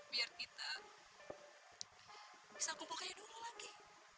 biar kita bisa kumpulkan dulu lagi